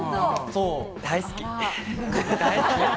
大好き。